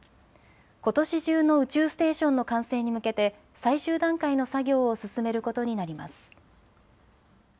ことし中の宇宙ステーションの完成に向けて最終段階の作業を進めることになります。